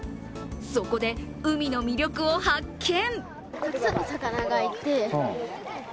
そこで、海の魅力を発見！